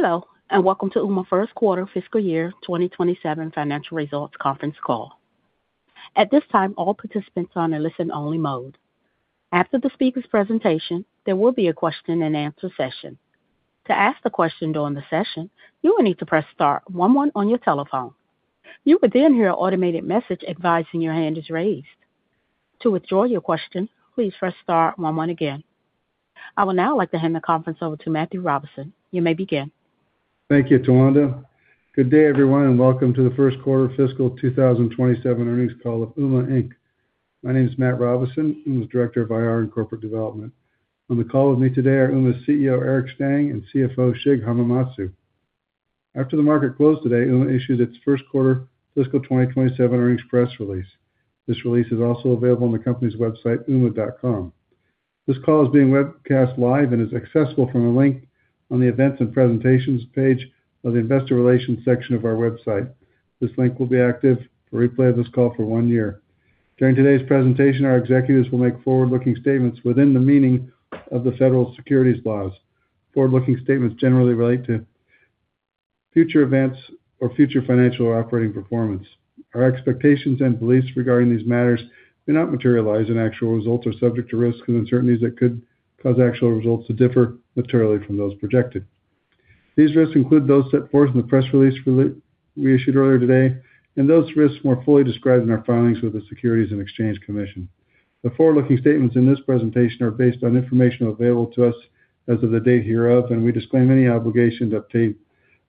Hello, and welcome to Ooma first quarter fiscal year 2027 financial results conference call. At this time, all participants are on a listen only mode. After the speaker's presentation, there will be a question and answer session. To ask the question during the session, you will need to press star one one on your telephone. You will then hear an automated message advising your hand is raised. To withdraw your question, please press star one one again. I would now like to hand the conference over to Matthew Robison. You may begin. Thank you, Towanda. Good day, everyone, and welcome to the first quarter fiscal 2027 earnings call of Ooma Inc. My name is Matt Robison, Ooma's Director of IR and Corporate Development. On the call with me today are Ooma's CEO, Eric Stang, and CFO, Shig Hamamatsu. After the market closed today, Ooma issued its first quarter fiscal 2027 earnings press release. This release is also available on the company's website, ooma.com. This call is being webcast live and is accessible from the link on the Events & Presentations page of the Investor Relations section of our website. This link will be active for replay of this call for one year. During today's presentation, our executives will make forward-looking statements within the meaning of the federal securities laws. Forward-looking statements generally relate to future events or future financial or operating performance. Our expectations and beliefs regarding these matters may not materialize, and actual results are subject to risks and uncertainties that could cause actual results to differ materially from those projected. These risks include those set forth in the press release we issued earlier today and those risks more fully described in our filings with the Securities and Exchange Commission. The forward-looking statements in this presentation are based on information available to us as of the date hereof, and we disclaim any obligation to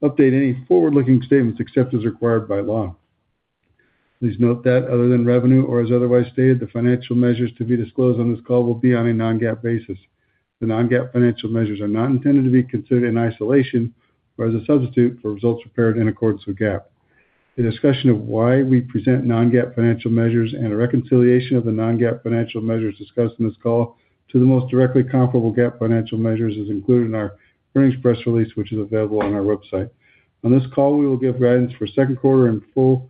update any forward-looking statements except as required by law. Please note that other than revenue or as otherwise stated, the financial measures to be disclosed on this call will be on a non-GAAP basis. The non-GAAP financial measures are not intended to be considered in isolation or as a substitute for results prepared in accordance with GAAP. A discussion of why we present non-GAAP financial measures and a reconciliation of the non-GAAP financial measures discussed in this call to the most directly comparable GAAP financial measures is included in our earnings press release, which is available on our website. On this call, we will give guidance for second quarter and full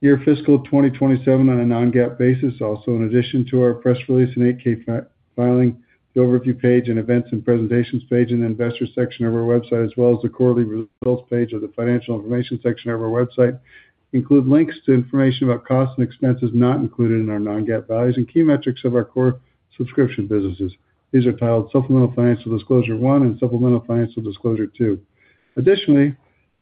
year fiscal 2027 on a non-GAAP basis also. In addition to our press release and 8-K filing, the Overview page and Events & Presentations page in the Investor section of our website, as well as the Quarterly Results page of the Financial Information section of our website, include links to information about costs and expenses not included in our non-GAAP guidance and key metrics of our core subscription businesses. These are titled Supplemental Financial Disclosure 1 and Supplemental Financial Disclosure 2. Additionally,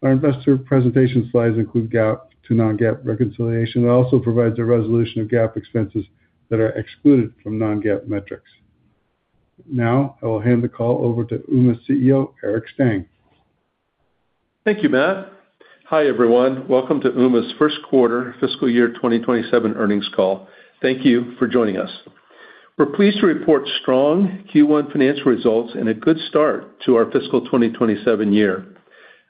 our investor presentation slides include GAAP to non-GAAP reconciliation. It also provides a resolution of GAAP expenses that are excluded from non-GAAP metrics. I will hand the call over to Ooma CEO, Eric Stang. Thank you, Matt. Hi, everyone. Welcome to Ooma's first quarter fiscal year 2027 earnings call. Thank you for joining us. We're pleased to report strong Q1 financial results and a good start to our fiscal 2027 year.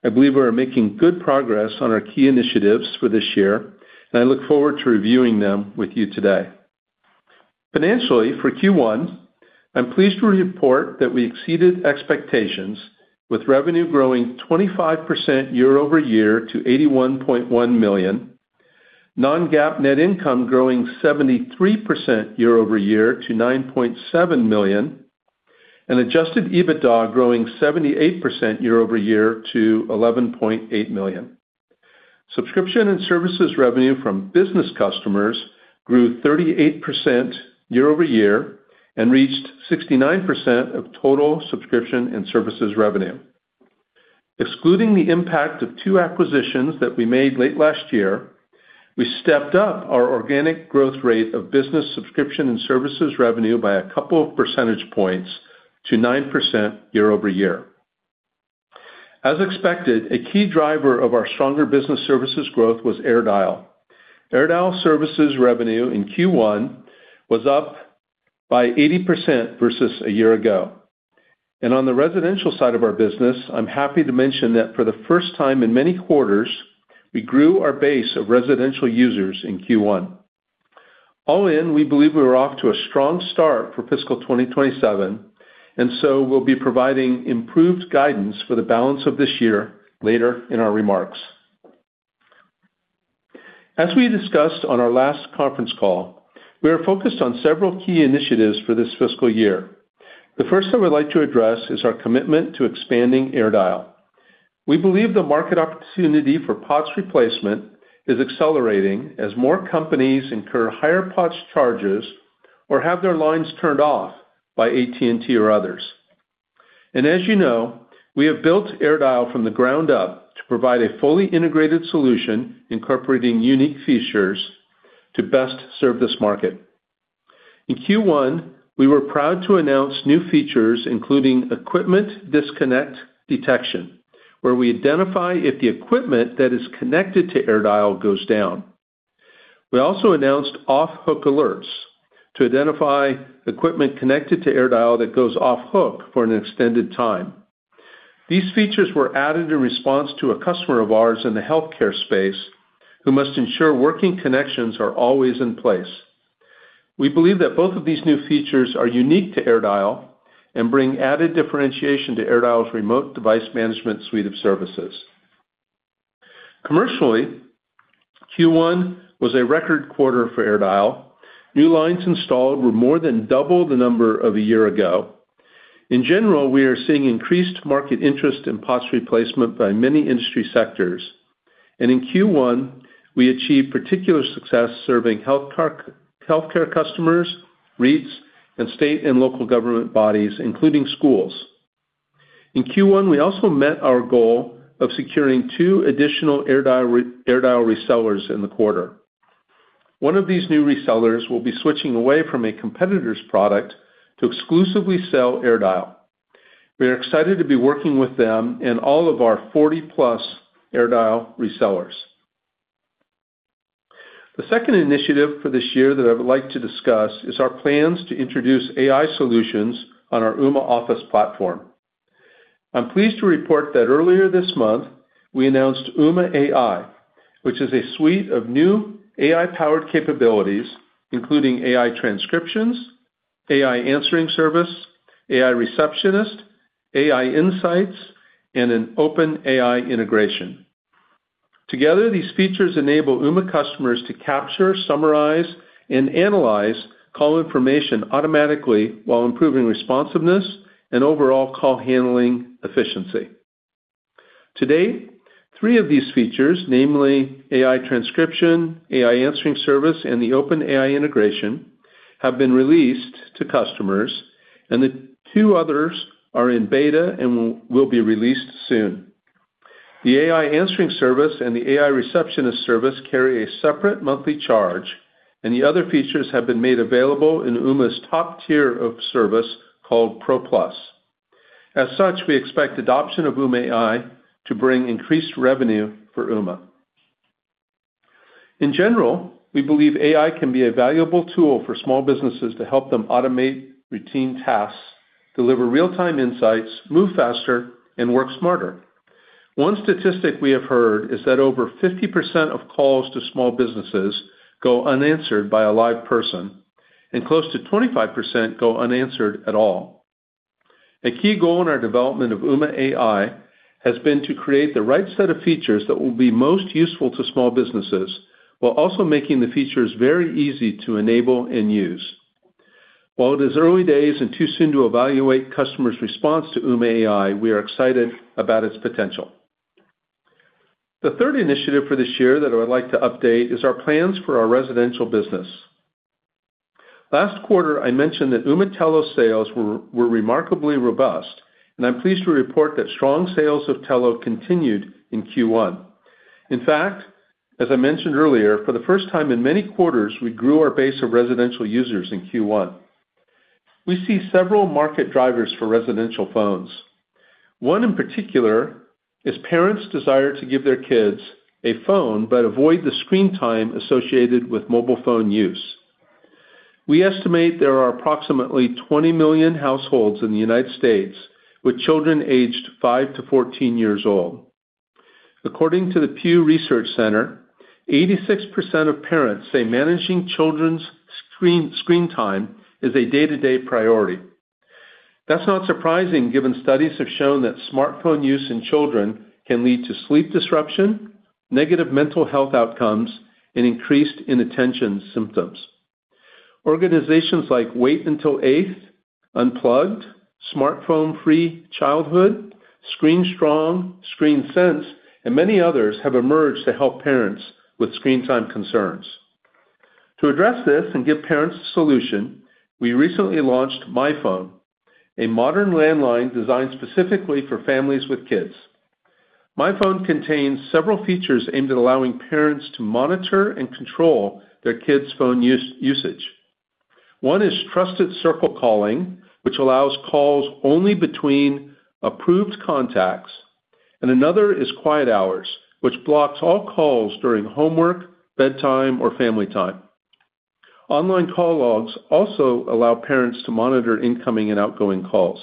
I believe we are making good progress on our key initiatives for this year, and I look forward to reviewing them with you today. Financially, for Q1, I'm pleased to report that we exceeded expectations with revenue growing 25% year-over-year to $81.1 million, non-GAAP net income growing 73% year-over-year to $9.7 million, and adjusted EBITDA growing 78% year-over-year to $11.8 million. Subscription and services revenue from business customers grew 38% year-over-year and reached 69% of total subscription and services revenue. Excluding the impact of two acquisitions that we made late last year, we stepped up our organic growth rate of business subscription and services revenue by a couple of percentage points to 9% year-over-year. As expected, a key driver of our stronger business services growth was AirDial. AirDial services revenue in Q1 was up by 80% versus a year ago. On the residential side of our business, I'm happy to mention that for the first time in many quarters, we grew our base of residential users in Q1. All in, we believe we are off to a strong start for fiscal 2027, and so we'll be providing improved guidance for the balance of this year later in our remarks. As we discussed on our last conference call, we are focused on several key initiatives for this fiscal year. The first I would like to address is our commitment to expanding AirDial. We believe the market opportunity for POTS replacement is accelerating as more companies incur higher POTS charges or have their lines turned off by AT&T or others. As you know, we have built AirDial from the ground up to provide a fully integrated solution incorporating unique features to best serve this market. In Q1, we were proud to announce new features including Equipment Disconnect Detection, where we identify if the equipment that is connected to AirDial goes down. We also announced off-hook alerts to identify equipment connected to AirDial that goes off-hook for an extended time. These features were added in response to a customer of ours in the healthcare space who must ensure working connections are always in place. We believe that both of these new features are unique to AirDial and bring added differentiation to AirDial's remote device management suite of services. Commercially, Q1 was a record quarter for AirDial. New lines installed were more than double the number of a year ago. In general, we are seeing increased market interest in POTS replacement by many industry sectors. In Q1, we achieved particular success serving healthcare customers, REITs, and state and local government bodies, including schools. In Q1, we also met our goal of securing two additional AirDial resellers in the quarter. One of these new resellers will be switching away from a competitor's product to exclusively sell AirDial. We are excited to be working with them and all of our 40+ AirDial resellers. The second initiative for this year that I would like to discuss is our plans to introduce AI solutions on our Ooma Office platform. I'm pleased to report that earlier this month, we announced Ooma AI, which is a suite of new AI-powered capabilities, including AI Transcriptions, AI Answering Service, AI Receptionist, AI Insights, and an OpenAI integration. Together, these features enable Ooma customers to capture, summarize, and analyze call information automatically while improving responsiveness and overall call handling efficiency. To date, three of these features, namely AI Transcriptions, AI Answering Service, and the OpenAI integration, have been released to customers, and the two others are in beta and will be released soon. The AI Answering Service and the AI Receptionist service carry a separate monthly charge, and the other features have been made available in Ooma's top tier of service, called Pro Plus. As such, we expect adoption of Ooma AI to bring increased revenue for Ooma. In general, we believe AI can be a valuable tool for small businesses to help them automate routine tasks, deliver real-time insights, move faster, and work smarter. One statistic we have heard is that over 50% of calls to small businesses go unanswered by a live person, and close to 25% go unanswered at all. A key goal in our development of Ooma AI has been to create the right set of features that will be most useful to small businesses while also making the features very easy to enable and use. While it is early days and too soon to evaluate customers' response to Ooma AI, we are excited about its potential. The third initiative for this year that I would like to update is our plans for our residential business. Last quarter, I mentioned that Ooma Telo sales were remarkably robust, and I'm pleased to report that strong sales of Telo continued in Q1. In fact, as I mentioned earlier, for the first time in many quarters, we grew our base of residential users in Q1. We see several market drivers for residential phones. One in particular is parents' desire to give their kids a phone but avoid the screen time associated with mobile phone use. We estimate there are approximately 20 million households in the United States with children aged five to 14 years old. According to the Pew Research Center, 86% of parents say managing children's screen time is a day-to-day priority. That's not surprising, given studies have shown that smartphone use in children can lead to sleep disruption, negative mental health outcomes, and increased inattention symptoms. Organizations like Wait Until 8th, Unplugged, Smartphone Free Childhood, ScreenStrong, Screen Sense, and many others have emerged to help parents with screen time concerns. To address this and give parents a solution, we recently launched MyPhone, a modern landline designed specifically for families with kids. MyPhone contains several features aimed at allowing parents to monitor and control their kids' phone usage. One is Trusted Circle calling, which allows calls only between approved contacts, and another is Quiet Hours, which blocks all calls during homework, bedtime, or family time. Online call logs also allow parents to monitor incoming and outgoing calls.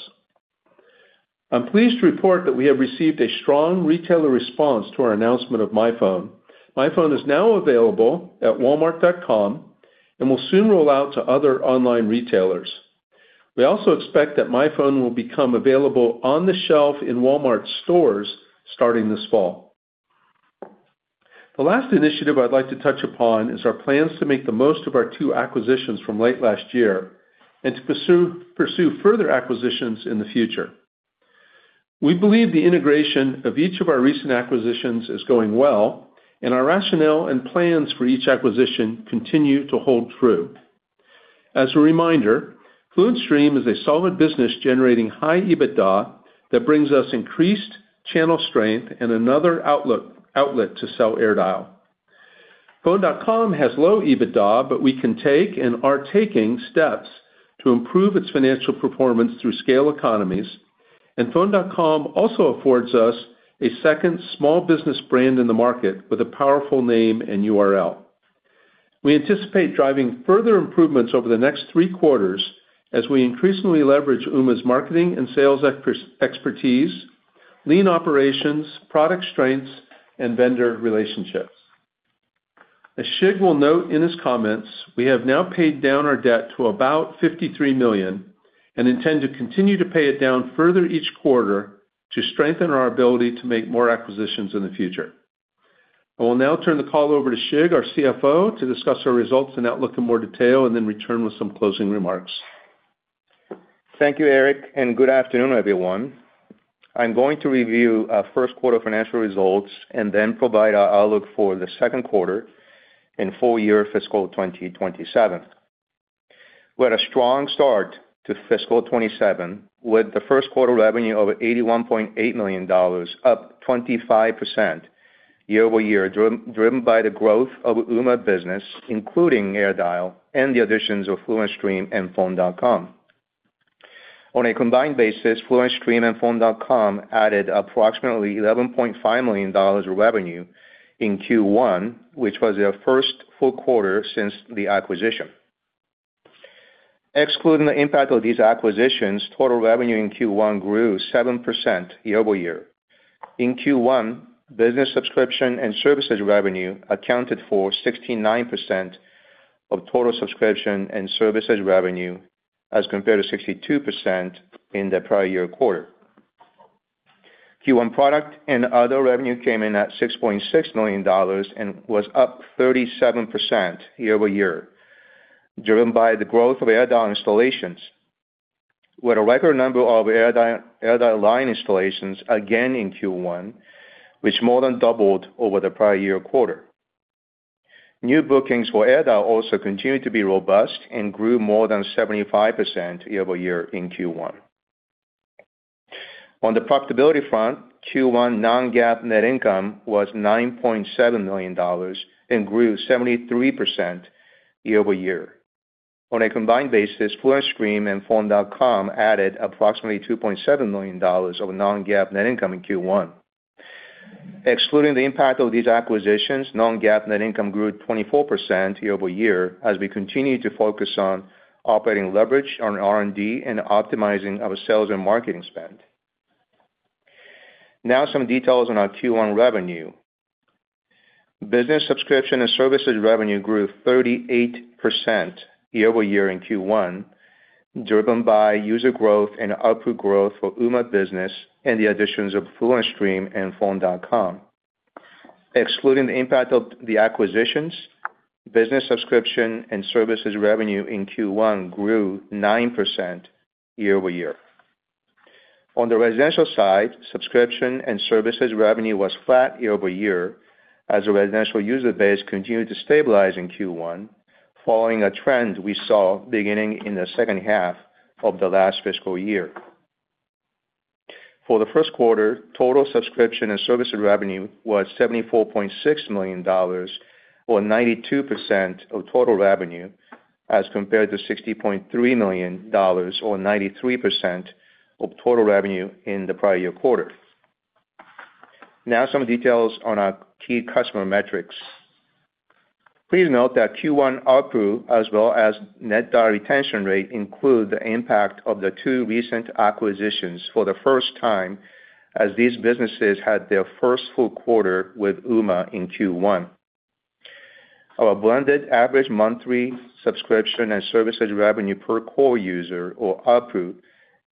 I'm pleased to report that we have received a strong retailer response to our announcement of MyPhone. MyPhone is now available at walmart.com and will soon roll out to other online retailers. We also expect that MyPhone will become available on the shelf in Walmart stores starting this fall. The last initiative I'd like to touch upon is our plans to make the most of our two acquisitions from late last year and to pursue further acquisitions in the future. We believe the integration of each of our recent acquisitions is going well, and our rationale and plans for each acquisition continue to hold true. As a reminder, FluentStream is a solid business generating high EBITDA that brings us increased channel strength and another outlet to sell AirDial. Phone.com has low EBITDA, but we can take and are taking steps to improve its financial performance through scale economies, and Phone.com also affords us a second small business brand in the market with a powerful name and URL. We anticipate driving further improvements over the next three quarters as we increasingly leverage Ooma's marketing and sales expertise, lean operations, product strengths, and vendor relationships. As Shig will note in his comments, we have now paid down our debt to about $53 million and intend to continue to pay it down further each quarter to strengthen our ability to make more acquisitions in the future. I will now turn the call over to Shig, our CFO, to discuss our results and outlook in more detail, and then return with some closing remarks. Thank you, Eric, and good afternoon, everyone. I'm going to review our first quarter financial results then provide our outlook for the second quarter and full year fiscal 2027. We had a strong start to fiscal 2027 with the first quarter revenue of $81.8 million, up 25% year-over-year, driven by the growth of Ooma business, including AirDial and the additions of FluentStream and Phone.com. On a combined basis, FluentStream and Phone.com added approximately $11.5 million of revenue in Q1, which was their first full quarter since the acquisition. Excluding the impact of these acquisitions, total revenue in Q1 grew 7% year-over-year. In Q1, business subscription and services revenue accounted for 69% of total subscription and services revenue, as compared to 62% in the prior year quarter. Q1 product and other revenue came in at $6.6 million and was up 37% year-over-year, driven by the growth of AirDial installations with a record number of AirDial line installations again in Q1, which more than doubled over the prior year quarter. New bookings for AirDial also continued to be robust and grew more than 75% year-over-year in Q1. On the profitability front, Q1 non-GAAP net income was $9.7 million and grew 73% year-over-year. On a combined basis, FluentStream and Phone.com added approximately $2.7 million of non-GAAP net income in Q1. Excluding the impact of these acquisitions, non-GAAP net income grew 24% year-over-year as we continued to focus on operating leverage on R&D and optimizing our sales and marketing spend. Now some details on our Q1 revenue. Business subscription and services revenue grew 38% year-over-year in Q1, driven by user growth and ARPU growth for Ooma business and the additions of FluentStream and Phone.com. Excluding the impact of the acquisitions, business subscription and services revenue in Q1 grew 9% year-over-year. On the residential side, subscription and services revenue was flat year-over-year as the residential user base continued to stabilize in Q1, following a trend we saw beginning in the second half of the last fiscal year. For the first quarter, total subscription and services revenue was $74.6 million, or 92% of total revenue, as compared to $60.3 million, or 93% of total revenue in the prior year quarter. Some details on our key customer metrics. Please note that Q1 ARPU as well as net dollar retention rate include the impact of the two recent acquisitions for the first time, as these businesses had their first full quarter with Ooma in Q1. Our blended average monthly subscription and services revenue per core user or ARPU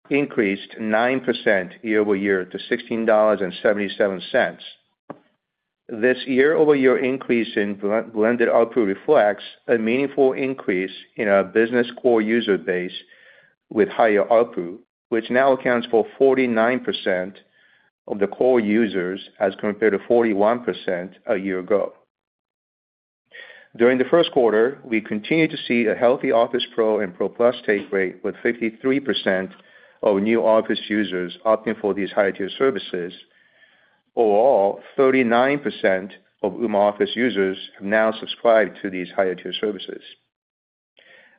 increased 9% year-over-year to $16.77. This year-over-year increase in blended ARPU reflects a meaningful increase in our business core user base with higher ARPU, which now accounts for 49% of the core users as compared to 41% a year ago. During the first quarter, we continued to see a healthy Office Pro and Pro Plus take rate with 53% of new Office users opting for these higher tier services. Overall, 39% of Ooma Office users have now subscribed to these higher tier services.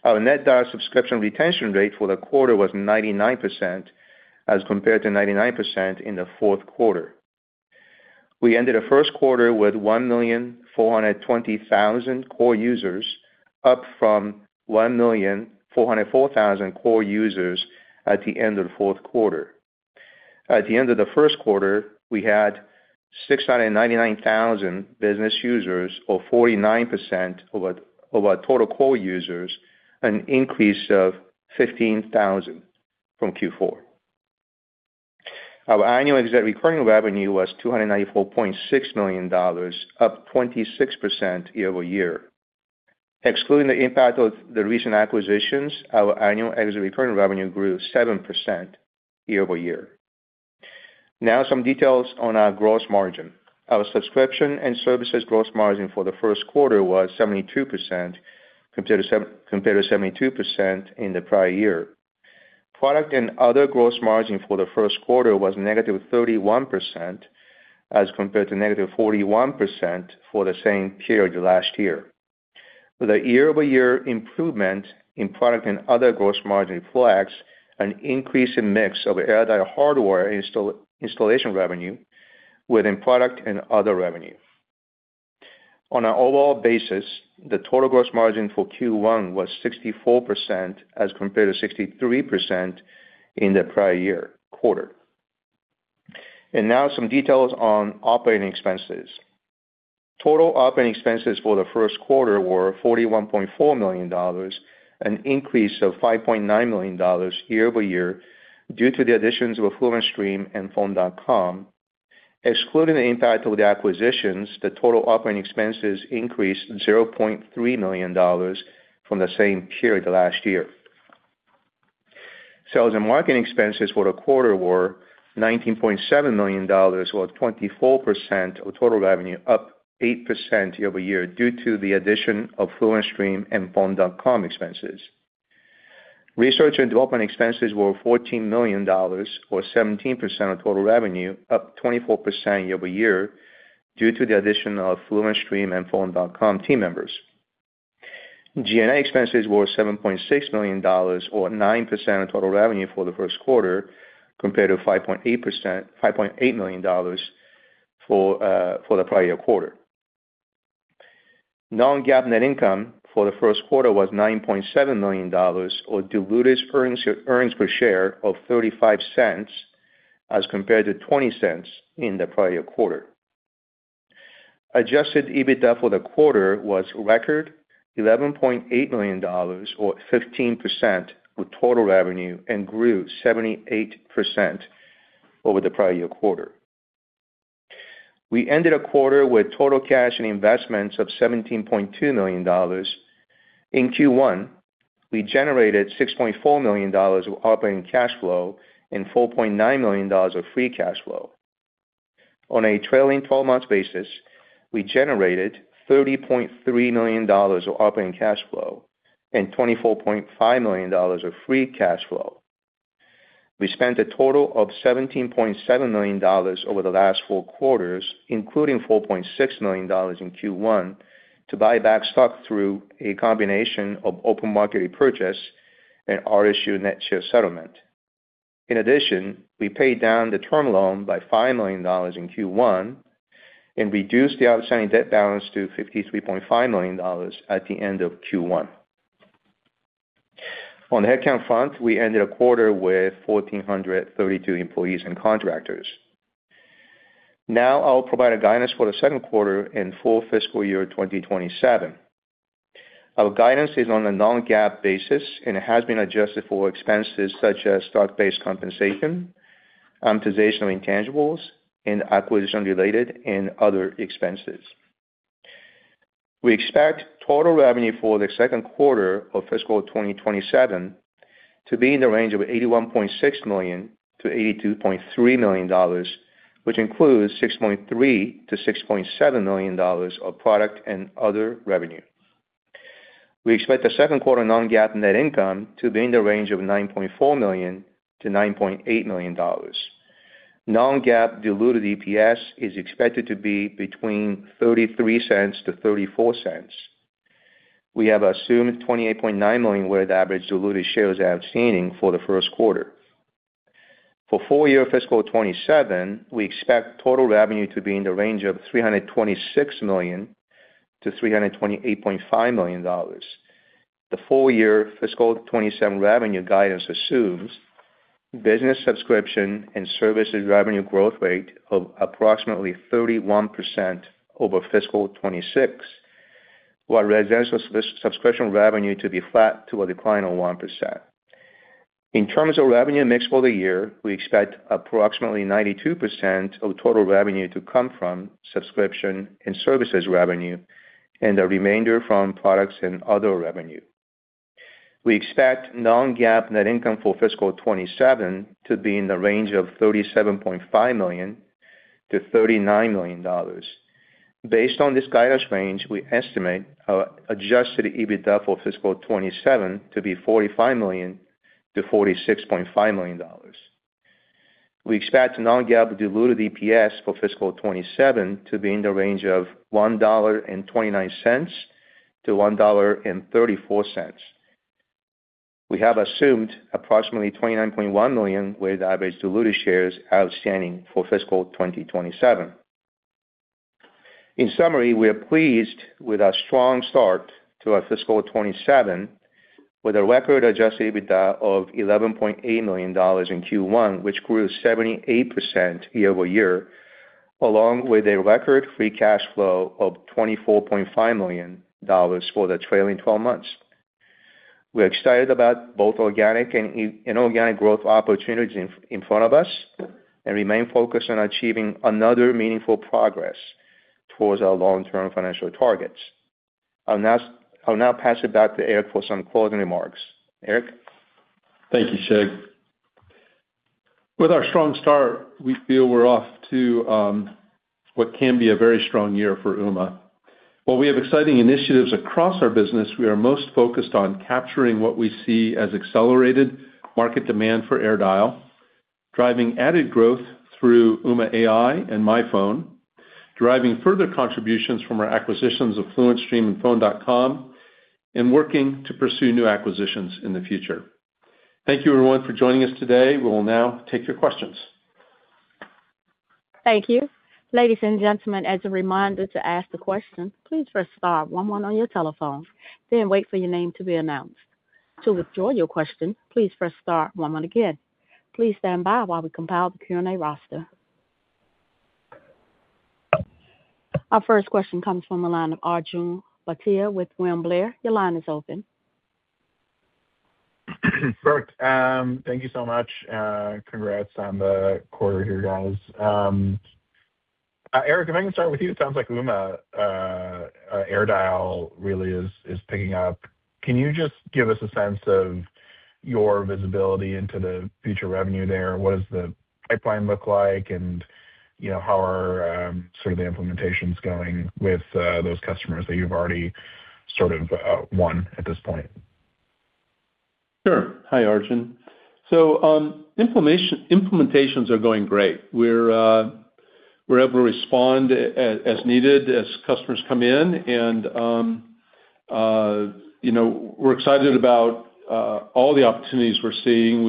Our net dollar subscription retention rate for the quarter was 99%, as compared to 99% in the fourth quarter. We ended the first quarter with 1,420,000 core users, up from 1,404,000 core users at the end of the fourth quarter. At the end of the first quarter, we had 699,000 business users or 49% of our total core users, an increase of 15,000 from Q4. Our annual exit recurring revenue was $294.6 million, up 26% year-over-year. Excluding the impact of the recent acquisitions, our annual exit recurring revenue grew 7% year-over-year. Now, some details on our gross margin. Our subscription and services gross margin for the first quarter was 72%, compared to 72% in the prior year. Product and other gross margin for the first quarter was -31%, as compared to -41% for the same period last year. The year-over-year improvement in product and other gross margin reflects an increase in mix of AirDial hardware installation revenue within product and other revenue. On an overall basis, the total gross margin for Q1 was 64%, as compared to 63% in the prior year quarter. Now some details on operating expenses. Total operating expenses for the first quarter were $41.4 million, an increase of $5.9 million year-over-year due to the additions of FluentStream and Phone.com. Excluding the impact of the acquisitions, the total operating expenses increased $0.3 million from the same period last year. Sales and marketing expenses for the quarter were $19.7 million or 24% of total revenue, up 8% year-over-year due to the addition of FluentStream and Phone.com expenses. Research and development expenses were $14 million or 17% of total revenue, up 24% year-over-year due to the addition of FluentStream and Phone.com team members. G&A expenses were $7.6 million or 9% of total revenue for the first quarter, compared to $5.8 million for the prior year quarter. Non-GAAP net income for the first quarter was $9.7 million or diluted earnings per share of $0.35 as compared to $0.20 in the prior quarter. Adjusted EBITDA for the quarter was record $11.8 million or 15% of total revenue and grew 78% over the prior year quarter. We ended the quarter with total cash and investments of $17.2 million. In Q1, we generated $6.4 million of operating cash flow and $4.9 million of free cash flow. On a trailing 12 months basis, we generated $30.3 million of operating cash flow and $24.5 million of free cash flow. We spent a total of $17.7 million over the last four quarters, including $4.6 million in Q1, to buy back stock through a combination of open market repurchase and RSU net share settlement. We paid down the term loan by $5 million in Q1 and reduced the outstanding debt balance to $53.5 million at the end of Q1. On the headcount front, we ended the quarter with 1,432 employees and contractors. I'll provide a guidance for the second quarter and full fiscal year 2027. Our guidance is on a non-GAAP basis and has been adjusted for expenses such as stock-based compensation, amortization of intangibles and acquisition-related and other expenses. We expect total revenue for the second quarter of fiscal 2027 to be in the range of $81.6 million-$82.3 million, which includes $6.3 million-$6.7 million of product and other revenue. We expect the second quarter non-GAAP net income to be in the range of $9.4 million-$9.8 million. Non-GAAP diluted EPS is expected to be between $0.33-$0.34. We have assumed 28.9 million weighted average diluted shares outstanding for the first quarter. For full year fiscal 2027, we expect total revenue to be in the range of $326 million-$328.5 million. The full year fiscal 2027 revenue guidance assumes business subscription and services revenue growth rate of approximately 31% over fiscal 2026, while residential subscription revenue to be flat to a decline of 1%. In terms of revenue mix for the year, we expect approximately 92% of total revenue to come from subscription and services revenue and the remainder from products and other revenue. We expect non-GAAP net income for fiscal 2027 to be in the range of $37.5 million-$39 million. Based on this guidance range, we estimate our adjusted EBITDA for fiscal 2027 to be $45 million-$46.5 million. We expect non-GAAP diluted EPS for fiscal 2027 to be in the range of $1.29-$1.34. We have assumed approximately 29.1 million weighted average diluted shares outstanding for fiscal 2027. In summary, we are pleased with our strong start to our fiscal 2027 with a record adjusted EBITDA of $11.8 million in Q1, which grew 78% year-over-year, along with a record free cash flow of $24.5 million for the trailing 12 months. We're excited about both organic and inorganic growth opportunities in front of us and remain focused on achieving another meaningful progress towards our long-term financial targets. I'll now pass it back to Eric for some closing remarks. Eric? Thank you, Shig. With our strong start, we feel we're off to what can be a very strong year for Ooma. While we have exciting initiatives across our business, we are most focused on capturing what we see as accelerated market demand for AirDial, driving added growth through Ooma AI and MyPhone, driving further contributions from our acquisitions of FluentStream and Phone.com, and working to pursue new acquisitions in the future. Thank you everyone for joining us today. We will now take your questions. Thank you. Ladies and gentlemen, as a reminder to ask the question, please press star one on your telephones, then wait for your name to be announced. To withdraw you question, please press star one one again. Please standby while we compile the Q&A roster. Our first question comes from the line of Arjun Bhatia with William Blair. Your line is open. Thank you so much, and congrats on the quarter here, guys. Eric, if I can start with you. It sounds like Ooma AirDial really is picking up. Can you just give us a sense of your visibility into the future revenue there? What does the pipeline look like? How are the implementations going with those customers that you've already won at this point? Sure. Hi, Arjun. Implementations are going great. We're able to respond as needed as customers come in, and we're excited about all the opportunities we're seeing,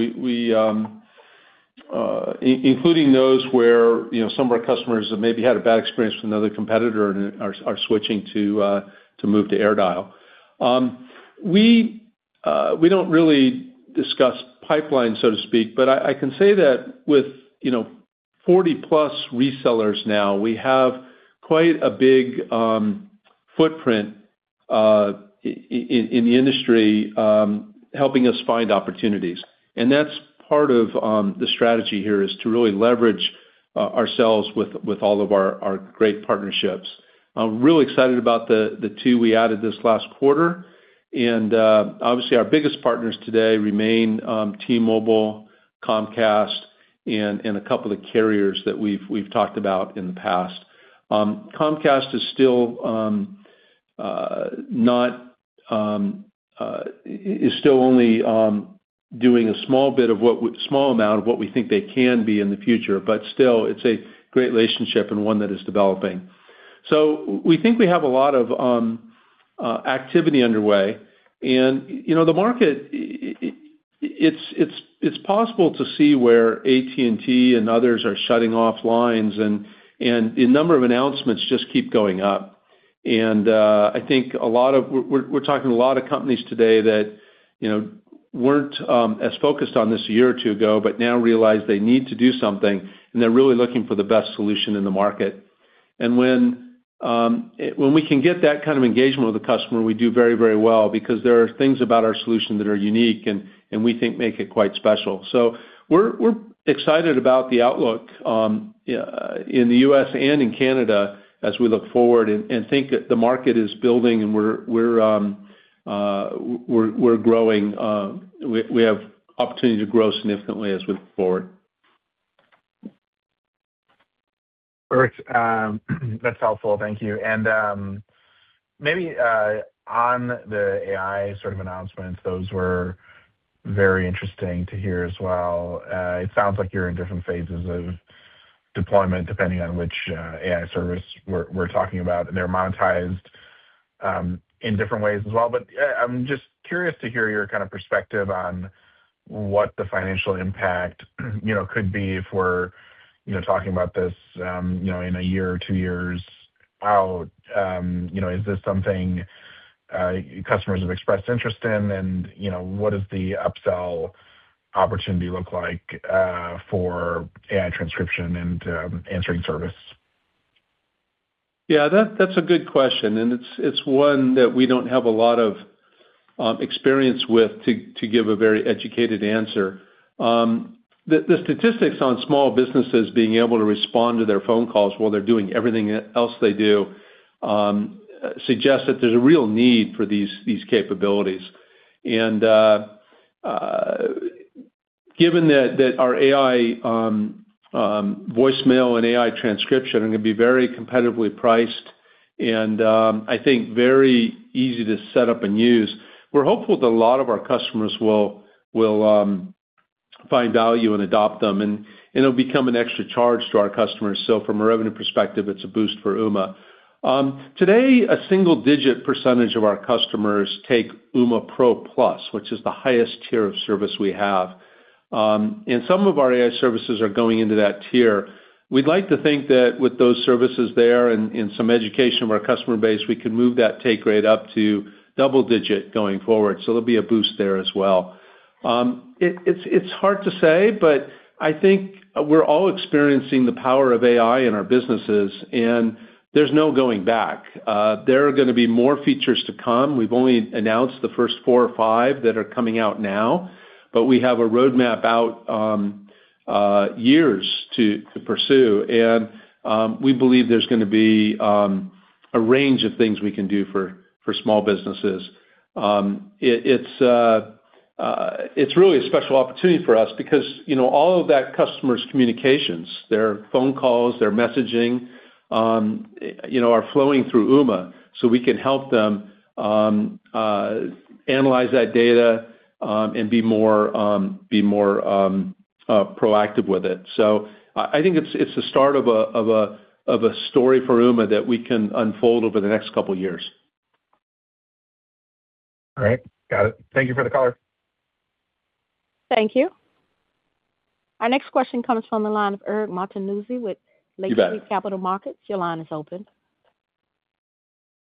including those where some of our customers have maybe had a bad experience with another competitor and are switching to move to AirDial. We don't really discuss pipeline, so to speak, but I can say that with 40+ resellers now, we have quite a big footprint in the industry helping us find opportunities. That's part of the strategy here is to really leverage ourselves with all of our great partnerships. I'm really excited about the two we added this last quarter. Obviously, our biggest partners today remain T-Mobile, Comcast, and a couple of the carriers that we've talked about in the past. Comcast is still only doing a small amount of what we think they can be in the future. Still, it's a great relationship and one that is developing. We think we have a lot of activity underway, and the market, it's possible to see where AT&T and others are shutting off lines, and the number of announcements just keep going up. We're talking to a lot of companies today that weren't as focused on this a year or two ago, but now realize they need to do something, and they're really looking for the best solution in the market. When we can get that kind of engagement with a customer, we do very well because there are things about our solution that are unique, and we think make it quite special. We're excited about the outlook in the U.S. and in Canada as we look forward and think that the market is building, and we have opportunity to grow significantly as we look forward. Eric, that's helpful. Thank you. Maybe on the AI sort of announcements, those were very interesting to hear as well. It sounds like you're in different phases of deployment depending on which AI service we're talking about, and they're monetized in different ways as well. I'm just curious to hear your kind of perspective on what the financial impact could be if we're talking about this in a year or two years out. Is this something customers have expressed interest in, and what does the upsell opportunity look like for AI Transcription and Answering Service? Yeah, that's a good question, and it's one that we don't have a lot of experience with to give a very educated answer. The statistics on small businesses being able to respond to their phone calls while they're doing everything else they do suggests that there's a real need for these capabilities. Given that our AI voicemail and AI Transcription are going to be very competitively priced and I think very easy to set up and use, we're hopeful that a lot of our customers will find value and adopt them, and it'll become an extra charge to our customers. From a revenue perspective, it's a boost for Ooma. Today, a single-digit percentage of our customers take Ooma Pro Plus, which is the highest tier of service we have. Some of our AI services are going into that tier. We'd like to think that with those services there and some education of our customer base, we can move that take rate up to double digit going forward. There'll be a boost there as well. It's hard to say, I think we're all experiencing the power of AI in our businesses, and there's no going back. There are going to be more features to come. We've only announced the first four or five that are coming out now, we have a roadmap out years to pursue, we believe there's going to be a range of things we can do for small businesses. It's really a special opportunity for us because all of that customer's communications, their phone calls, their messaging are flowing through Ooma, we can help them analyze that data and be more proactive with it. I think it's the start of a story for Ooma that we can unfold over the next couple of years. All right. Got it. Thank you for the color. Thank you. Our next question comes from the line of Eric Martinuzzi with- You bet. Lake Street Capital Markets. Your line is open.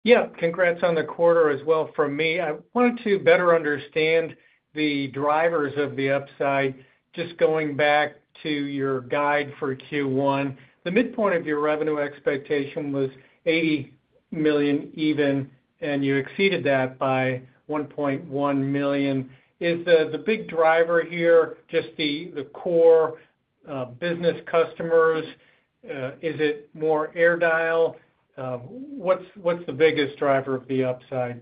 Yeah. Congrats on the quarter as well from me. I wanted to better understand the drivers of the upside, just going back to your guide for Q1. The midpoint of your revenue expectation was $80 million even, and you exceeded that by $1.1 million. Is the big driver here just the core business customers? Is it more AirDial? What's the biggest driver of the upside?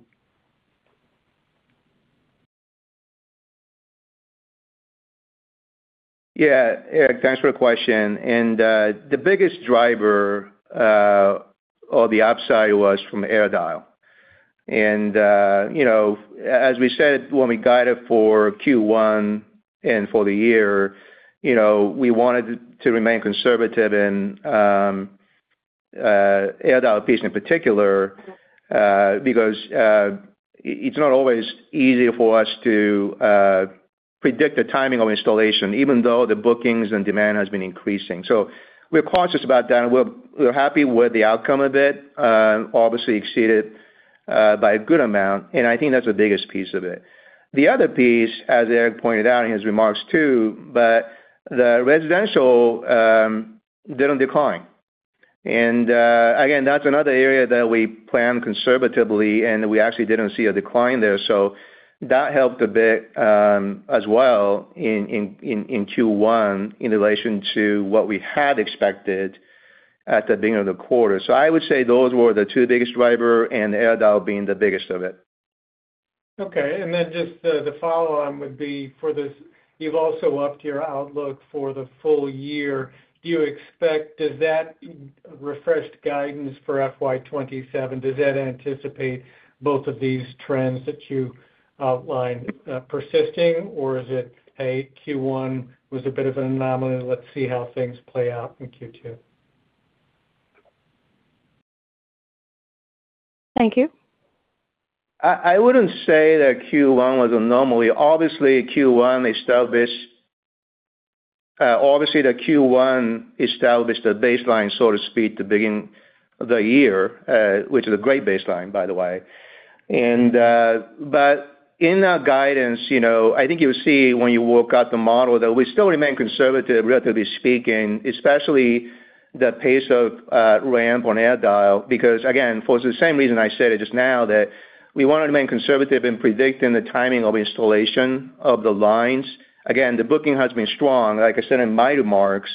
Eric, thanks for the question. The biggest driver of the upside was from AirDial. As we said when we guided for Q1 and for the year, we wanted to remain conservative and AirDial piece in particular, because it's not always easy for us to predict the timing of installation, even though the bookings and demand has been increasing. We're cautious about that, and we're happy with the outcome of it, obviously exceeded by a good amount, and I think that's the biggest piece of it. The other piece, as Eric pointed out in his remarks, too, but the residential didn't decline. Again, that's another area that we planned conservatively, and we actually didn't see a decline there. That helped a bit as well in Q1 in relation to what we had expected at the beginning of the quarter. I would say those were the two biggest driver and AirDial being the biggest of it. Okay, then just the follow-on would be for this, you've also upped your outlook for the full year. Do you expect that refreshed guidance for FY 2027? Does that anticipate both of these trends that you outlined persisting, or is it a Q1 was a bit of an anomaly, let's see how things play out in Q2? Thank you. I wouldn't say that Q1 was anomaly. Obviously, the Q1 established a baseline, so to speak, to begin the year, which is a great baseline, by the way. In our guidance, I think you'll see when you work out the model that we still remain conservative, relatively speaking, especially the pace of ramp on AirDial. Again, for the same reason I said it just now, that we want to remain conservative in predicting the timing of installation of the lines. Again, the booking has been strong. Like I said in my remarks,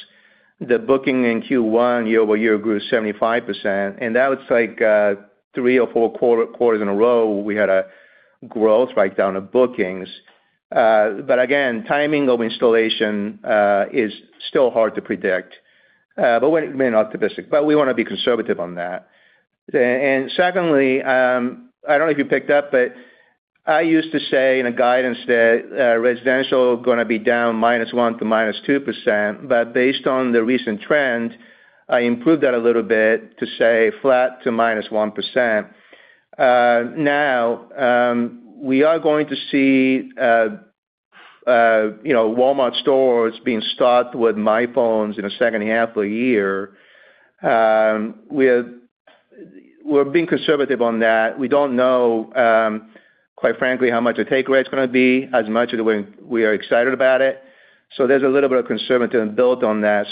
the booking in Q1 year-over-year grew 75%, that's like three or four quarters in a row, we had a growth breakdown of bookings. Again, timing of installation is still hard to predict. We remain optimistic, but we want to be conservative on that. Secondly, I don't know if you picked up, but I used to say in a guidance that residential going to be down -1% to -2%, but based on the recent trend, I improved that a little bit to say flat to -1%. We are going to see Walmart stores being stocked with MyPhone in the second half of the year. We're being conservative on that. We don't know, quite frankly, how much the take rate is going to be as much as we are excited about it. There's a little bit of conservatism built on that.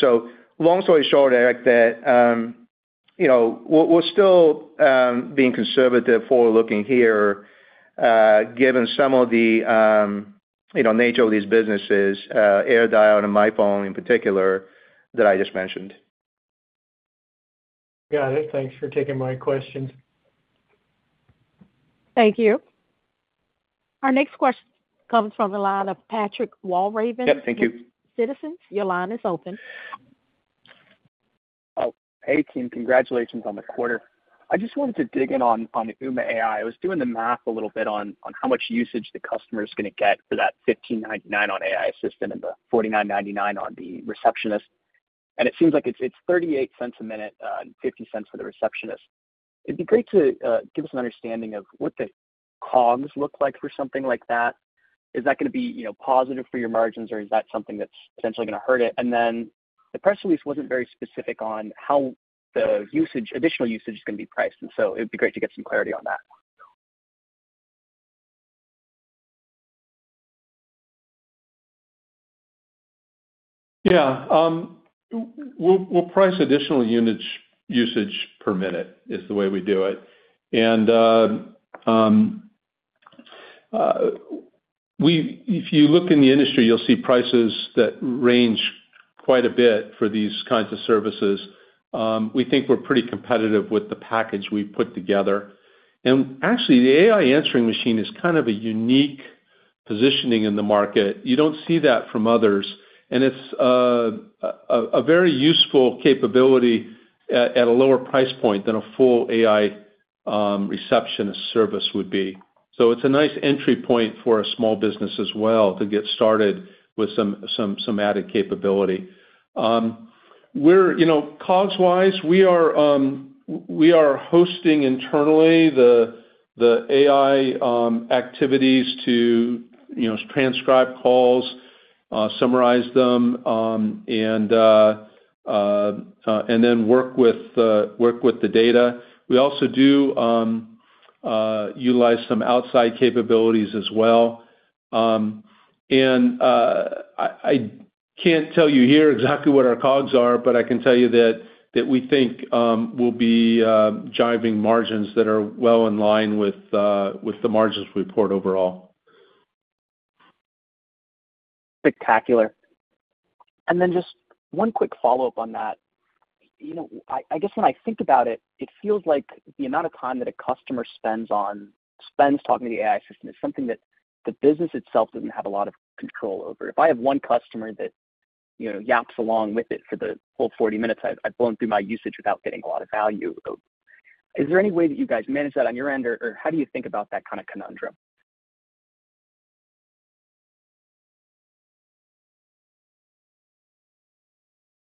Long story short, Eric, that we're still being conservative forward-looking here given some of the nature of these businesses, AirDial and MyPhone in particular, that I just mentioned. Got it. Thanks for taking my question. Thank you. Our next question comes from the line of Patrick Walravens. Yep, thank you. Citizens. Your line is open. Hey, team. Congratulations on the quarter. I just wanted to dig in on Ooma AI. I was doing the math a little bit on how much usage the customer is going to get for that $15.99 on AI assistant and the $49.99 on the Receptionist. It seems like it's $0.38 a minute and $0.50 for the Receptionist. It'd be great to give us an understanding of what the COGS look like for something like that. Is that going to be positive for your margins or is that something that's potentially going to hurt it? The press release wasn't very specific on how the additional usage is going to be priced. It'd be great to get some clarity on that. Yeah. We'll price additional units usage per minute, is the way we do it. If you look in the industry, you'll see prices that range quite a bit for these kinds of services. We think we're pretty competitive with the package we put together. Actually, the AI answering machine is kind of a unique positioning in the market. You don't see that from others, and it's a very useful capability at a lower price point than a full AI Receptionist service would be. It's a nice entry point for a small business as well to get started with some added capability. COGS-wise, we are hosting internally the AI activities to transcribe calls, summarize them, and then work with the data. We also do utilize some outside capabilities as well. I can't tell you here exactly what our COGS are, but I can tell you that we think we'll be driving margins that are well in line with the margins we report overall. Spectacular. Just one quick follow-up on that. I guess when I think about it feels like the amount of time that a customer spends talking to the AI assistant is something that the business itself doesn't have a lot of control over. If I have one customer that yaps along with it for the full 40 minutes, I've blown through my usage without getting a lot of value. Is there any way that you guys manage that on your end, or how do you think about that kind of conundrum?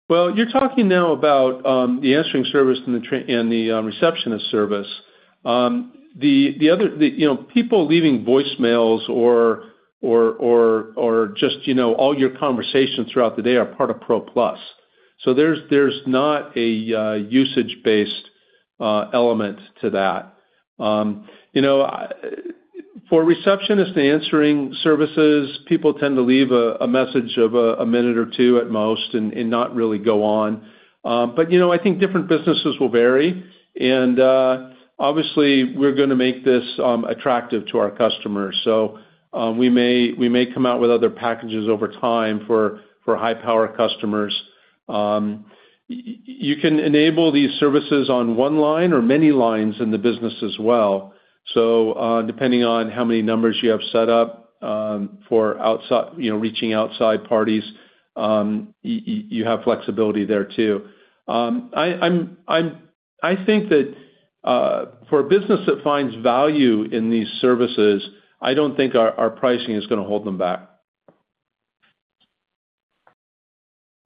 Well, you're talking now about the Answering Service and the Receptionist service. People leaving voicemails or just all your conversations throughout the day are part of Pro Plus. There's not a usage-based element to that. For Receptionist and Answering Services, people tend to leave a message of a minute or two at most and not really go on. But I think different businesses will vary, and obviously, we're going to make this attractive to our customers. So we may come out with other packages over time for high-power customers. You can enable these services on one line or many lines in the business as well. So depending on how many numbers you have set up for reaching outside parties, you have flexibility there too. I think that for a business that finds value in these services, I don't think our pricing is going to hold them back.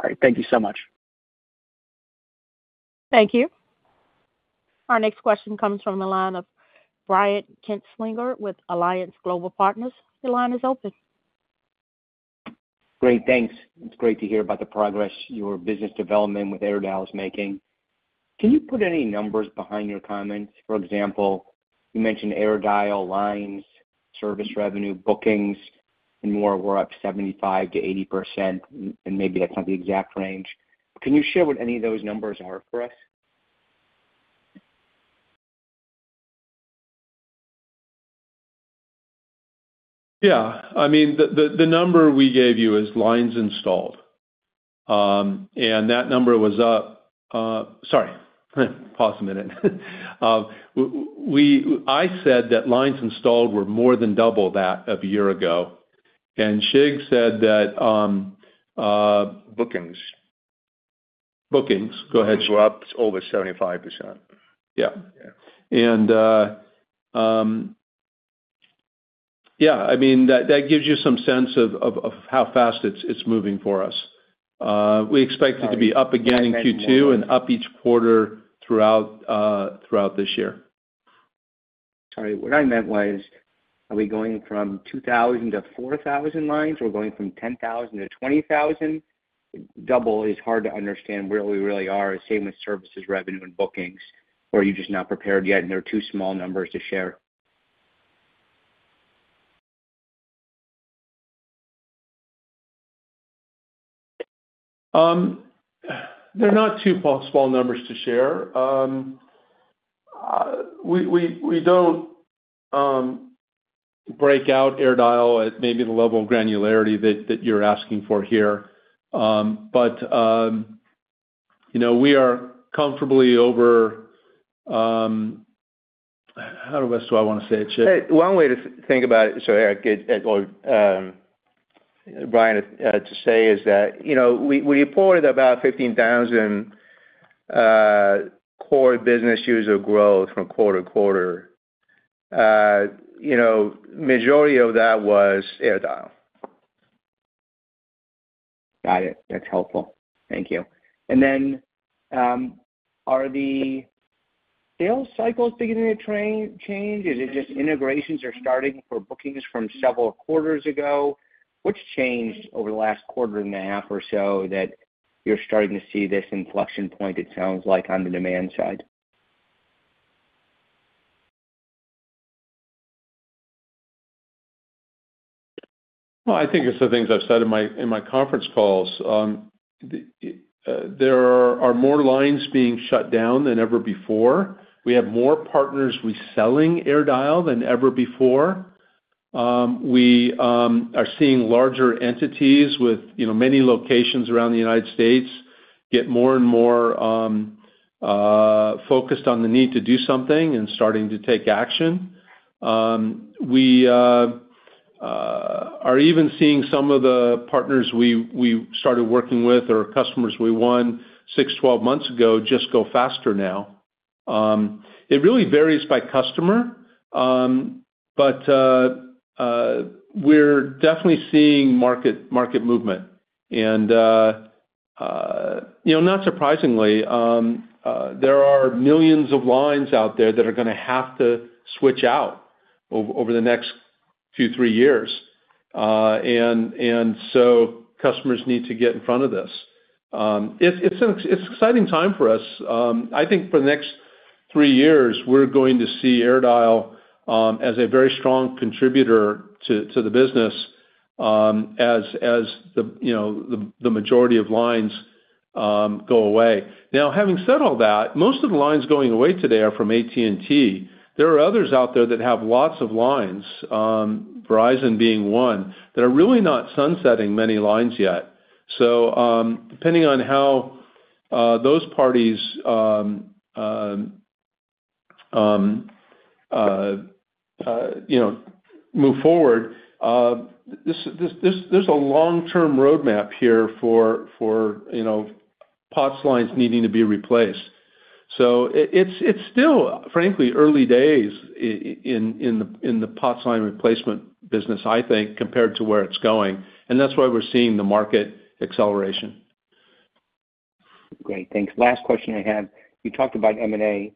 All right. Thank you so much. Thank you. Our next question comes from the line of Brian Kinstlinger with Alliance Global Partners. Your line is open. Great. Thanks. It's great to hear about the progress your business development with AirDial is making. Can you put any numbers behind your comments? For example, you mentioned AirDial lines, service revenue, bookings, and more were up 75%-80%, and maybe that's not the exact range. Can you share what any of those numbers are for us? Yeah. The number we gave you is lines installed. That number was up. I said that lines installed were more than double that of a year ago. Shig said that. Bookings. Bookings. Go ahead, Shig. Were up over 75%. Yeah. Yeah. Yeah. That gives you some sense of how fast it's moving for us. We expect it to be up again in Q2 and up each quarter throughout this year. Sorry. What I meant was, are we going from 2,000 to 4,000 lines? We're going from 10,000 to 20,000? Double is hard to understand where we really are, same with services revenue and bookings. Are you just not prepared yet, and they're too small numbers to share? They are not too small numbers to share. We do not break out AirDial at maybe the level of granularity that you are asking for here. We are comfortably over. How else do I want to say it, Shig? One way to think about it, sorry, Eric, or Brian, to say is that, we reported about 15,000 core business user growth from quarter-to-quarter. Majority of that was AirDial. Got it. That's helpful. Thank you. Are the sales cycles beginning to change? Is it just integrations are starting for bookings from several quarters ago? What's changed over the last quarter and a half or so that you're starting to see this inflection point, it sounds like, on the demand side? Well, I think it's the things I've said in my conference calls. There are more lines being shut down than ever before. We have more partners reselling AirDial than ever before. We are seeing larger entities with many locations around the United States get more and more focused on the need to do something and starting to take action. We are even seeing some of the partners we started working with or customers we won 6-12 months ago, just go faster now.It really varies by customer, but we're definitely seeing market movement. Not surprisingly, there are millions of lines out there that are going to have to switch out over the next two to three years. Customers need to get in front of this. It's an exciting time for us. I think for the next three years, we're going to see AirDial as a very strong contributor to the business as the majority of lines go away. Now, having said all that, most of the lines going away today are from AT&T. There are others out there that have lots of lines, Verizon being one, that are really not sunsetting many lines yet. Depending on how those parties move forward, there's a long-term roadmap here for POTS lines needing to be replaced. It's still, frankly, early days in the POTS line replacement business, I think, compared to where it's going, and that's why we're seeing the market acceleration. Great. Thanks. Last question I have, you talked about M&A.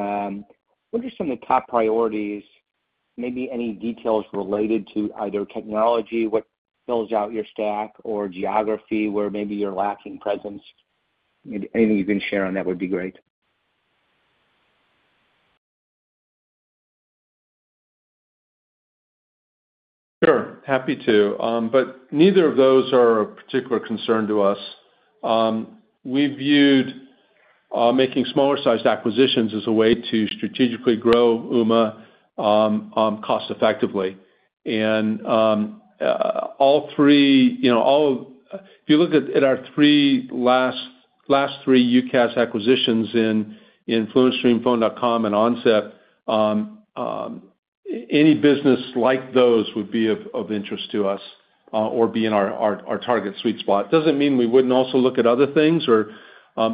What are some of the top priorities, maybe any details related to either technology, what fills out your stack or geography where maybe you're lacking presence? Maybe anything you can share on that would be great. Sure, happy to. Neither of those are of particular concern to us. We viewed making smaller-sized acquisitions as a way to strategically grow Ooma cost-effectively. If you look at our last three UCaaS acquisitions in FluentStream, Phone.com, and OnSIP, any business like those would be of interest to us or be in our target sweet spot. It doesn't mean we wouldn't also look at other things or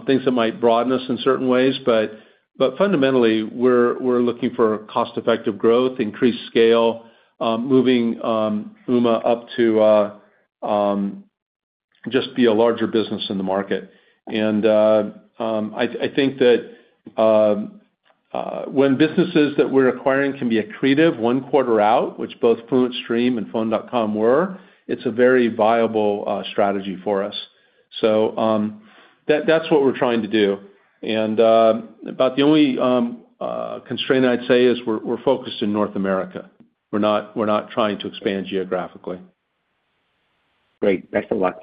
things that might broaden us in certain ways, but fundamentally, we're looking for cost-effective growth, increased scale, moving Ooma up to just be a larger business in the market. I think that when businesses that we're acquiring can be accretive one quarter out, which both FluentStream and Phone.com were, it's a very viable strategy for us. That's what we're trying to do, and about the only constraint I'd say is we're focused in North America. We're not trying to expand geographically. Great. Thanks a lot.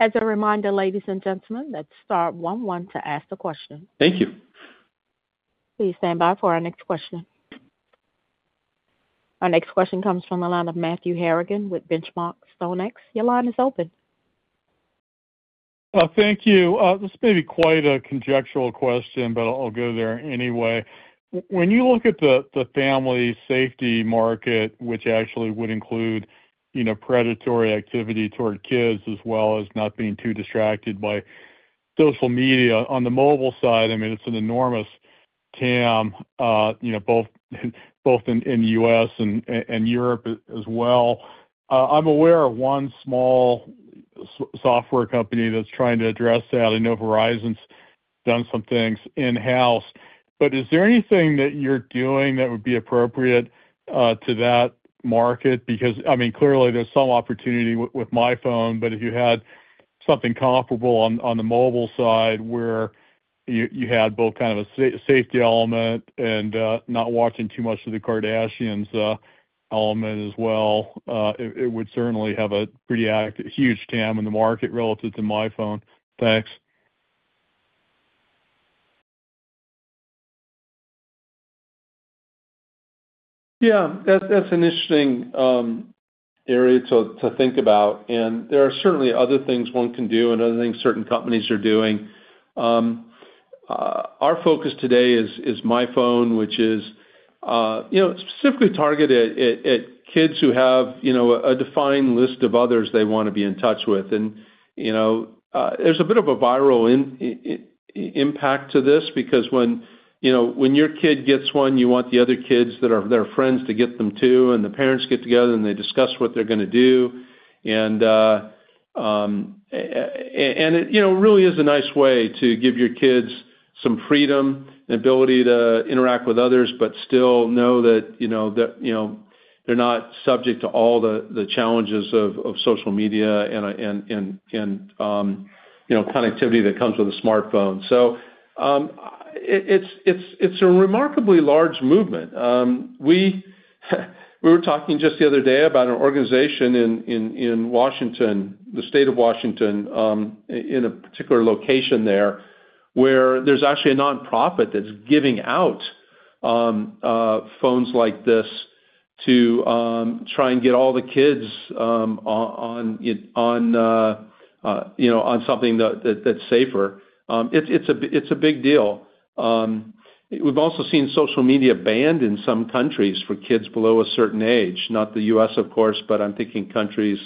As a reminder, ladies and gentlemen, that's star one to ask a question. Thank you. Please stand by for our next question. Our next question comes from the line of Matthew Harrigan with Benchmark StoneX. Your line is open. Thank you. This may be quite a conjectural question, but I'll go there anyway. When you look at the family safety market, which actually would include predatory activity toward kids as well as not being too distracted by social media on the mobile side, I mean, it's an enormous TAM both in the U.S. and Europe as well. I'm aware of one small software company that's trying to address that. I know Verizon's done some things in-house. Is there anything that you're doing that would be appropriate to that market? Because, I mean, clearly there's some opportunity with MyPhone, but if you had something comparable on the mobile side where you had both kind of a safety element and not watching too much of the Kardashians element as well, it would certainly have a pretty huge TAM in the market relative to MyPhone. Thanks. That's an interesting area to think about. There are certainly other things one can do and other things certain companies are doing. Our focus today is MyPhone, which is specifically targeted at kids who have a defined list of others they want to be in touch with. There's a bit of a viral impact to this because when your kid gets one, you want the other kids that are their friends to get them, too. The parents get together, and they discuss what they're going to do. It really is a nice way to give your kids some freedom and ability to interact with others, but still know that they're not subject to all the challenges of social media and connectivity that comes with a smartphone. It's a remarkably large movement. We were talking just the other day about an organization in the state of Washington, in a particular location there, where there's actually a nonprofit that's giving out phones like this to try and get all the kids on something that's safer. It's a big deal. We've also seen social media banned in some countries for kids below a certain age. Not the U.S., of course, but I'm thinking countries,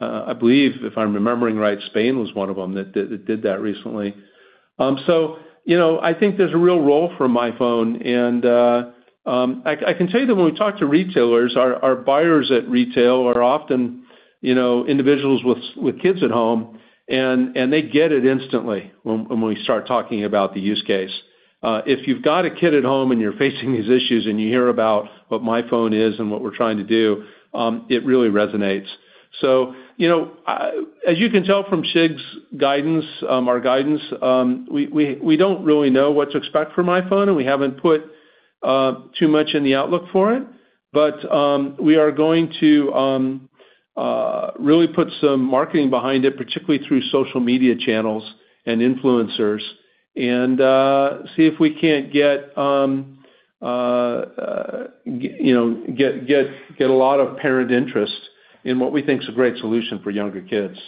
I believe, if I'm remembering right, Spain was one of them that did that recently. I think there's a real role for MyPhone. I can tell you that when we talk to retailers, our buyers at retail are often individuals with kids at home, and they get it instantly when we start talking about the use case. If you've got a kid at home and you're facing these issues and you hear about what MyPhone is and what we're trying to do, it really resonates. As you can tell from Shig's guidance, our guidance, we don't really know what to expect from MyPhone, and we haven't put too much in the outlook for it. We are going to really put some marketing behind it, particularly through social media channels and influencers, and see if we can't get a lot of parent interest in what we think is a great solution for younger kids.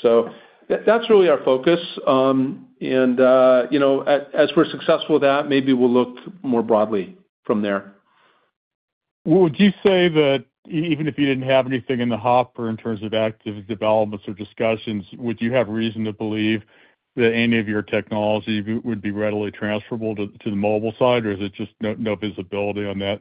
That's really our focus. As we're successful with that, maybe we'll look more broadly from there. Would you say that even if you didn't have anything in the hopper in terms of active developments or discussions, would you have reason to believe that any of your technology would be readily transferable to the mobile side, or is it just no visibility on that?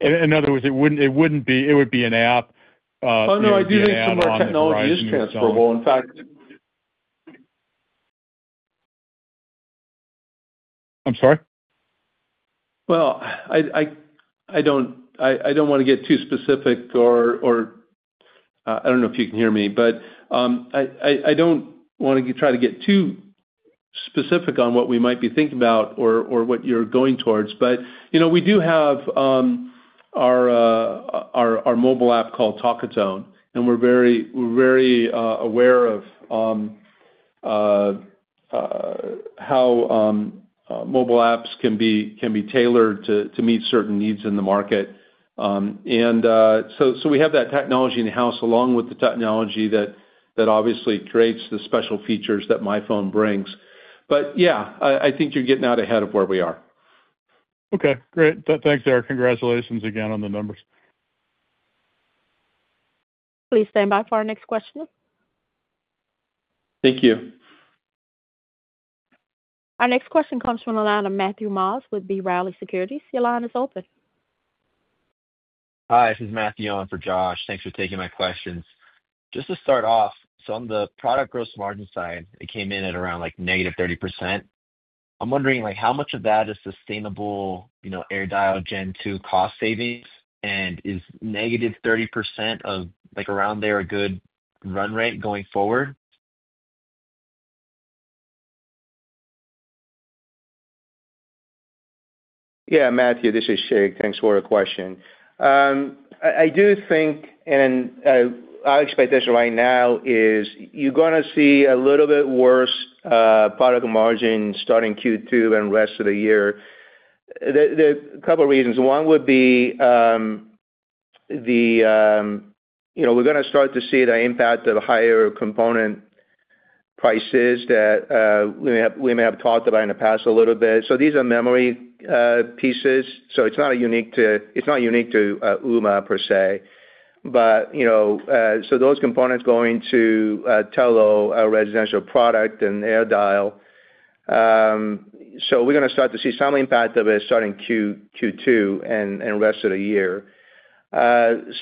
In other words, it would be. Oh, no, I do think some of our technology is transferable. I'm sorry? I don't want to get too specific. I don't know if you can hear me, but I don't want to try to get too specific on what we might be thinking about or what you're going towards. We do have our mobile app called Talkatone, and we're very aware of how mobile apps can be tailored to meet certain needs in the market. We have that technology in-house, along with the technology that obviously creates the special features that MyPhone brings. Yeah, I think you're getting out ahead of where we are. Okay, great. Thanks, Eric. Congratulations again on the numbers. Please stand by for our next question. Thank you. Our next question comes from the line of Matthew Maus with B. Riley Securities. Your line is open. Hi, this is Matthew on for Josh. Thanks for taking my questions. Just to start off, on the product gross margin side, it came in at around -30%. I'm wondering how much of that is sustainable AirDial Gen 2 cost savings, and is -30%, around there, a good run rate going forward? Matthew, this is Shig. Thanks for the question. I do think, our expectation right now is you're going to see a little bit worse product margin starting Q2 and rest of the year. There are a couple of reasons. One would be we're going to start to see the impact of higher component prices that we may have talked about in the past a little bit. These are memory pieces, so it's not unique to Ooma per se. Those components go into Telo, our residential product, and AirDial. We're going to start to see some impact of it starting Q2 and rest of the year.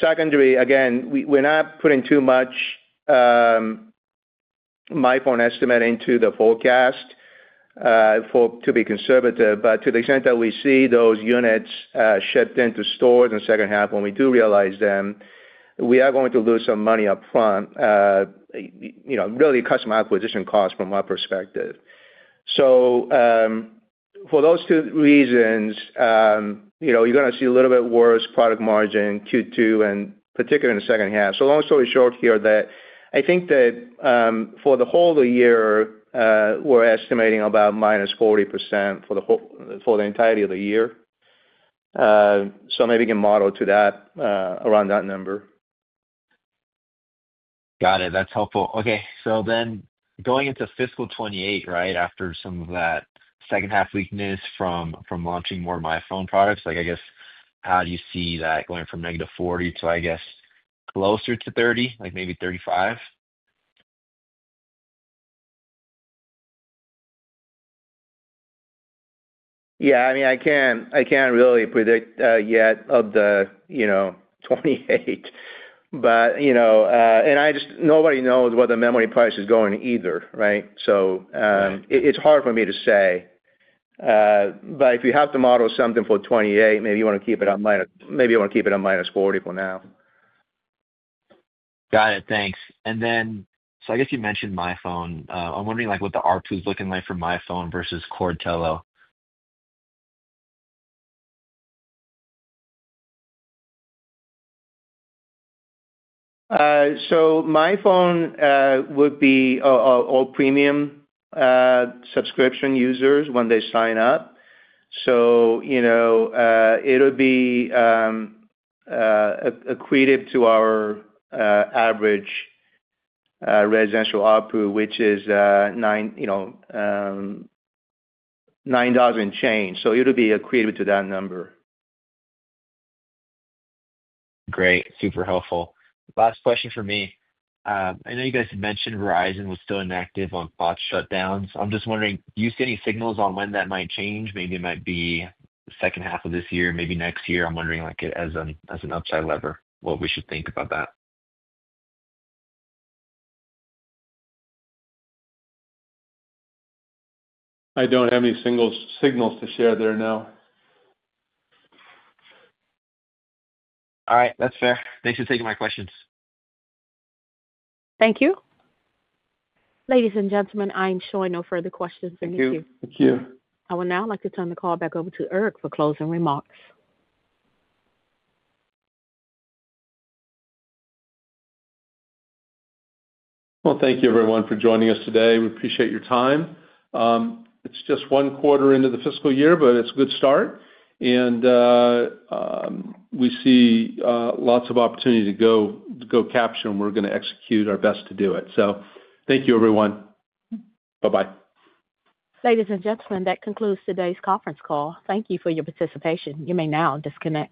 Secondary, again, we're not putting too much MyPhone estimate into the forecast to be conservative. To the extent that we see those units shipped into stores in the second half, when we do realize them, we are going to lose some money up front, really customer acquisition cost from our perspective. For those two reasons, you're going to see a little bit worse product margin in Q2 and particularly in the second half. Long story short here, I think that for the whole of the year, we're estimating about -40% for the entirety of the year. Maybe you can model to that, around that number. Got it. That's helpful. Okay. Going into fiscal 2028, after some of that second half weakness from launching more MyPhone products, I guess, how do you see that going from negative -40% to, I guess, closer to 30%, maybe 35%? Yeah, I mean, I can't really predict yet of the 2028. Nobody knows where the memory price is going either, right? Right. It's hard for me to say. If you have to model something for 2028, maybe you want to keep it on -40% for now. Got it. Thanks. I guess you mentioned MyPhone. I'm wondering what the ARPU is looking like for MyPhone versus core Telo. MyPhone would be all premium subscription users when they sign up. It'll be accretive to our average residential ARPU, which is $9 and change. It'll be accretive to that number. Great. Super helpful. Last question from me. I know you guys had mentioned Verizon was still inactive on POTS shutdowns. I'm just wondering, do you see any signals on when that might change? Maybe it might be the second half of this year, maybe next year. I'm wondering as an upside lever, what we should think about that. I don't have any signals to share there now. All right. That's fair. Thanks for taking my questions. Thank you. Ladies and gentlemen, I am showing no further questions in the queue. Thank you. Thank you. I would now like to turn the call back over to Eric for closing remarks. Thank you everyone for joining us today. We appreciate your time. It's just one quarter into the fiscal year. It's a good start. We see lots of opportunity to go capture them. We're going to execute our best to do it. Thank you, everyone. Bye-bye. Ladies and gentlemen, that concludes today's conference call. Thank you for your participation. You may now disconnect.